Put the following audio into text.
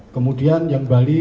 kemudian yang bali